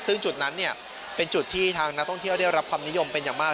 ซึ่งจุดนั้นเป็นจุดที่ทางนักท่องเที่ยวได้รับความนิยมเป็นอย่างมาก